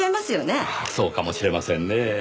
そうかもしれませんねぇ。